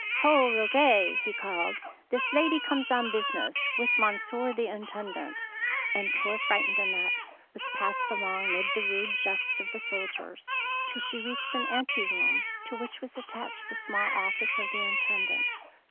"Ho, Roget!" he called, "this lady comes on business with Monsieur the Intendant"; and poor frightened An nette was passed along mid the rude 215 DEEDS OF DAKING jests of the soldiers, till she reached an ante room to which was attached the small office of the Intendant.